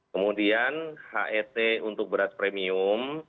kemudian het untuk beras premium